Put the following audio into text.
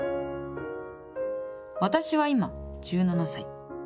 私は今１７歳。